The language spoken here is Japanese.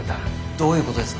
どういうことですか？